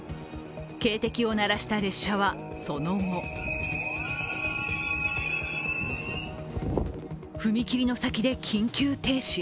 警笛を鳴らした列車はその後踏切の先で緊急停止。